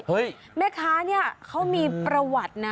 แม่ค้าเนี่ยเขามีประวัตินะ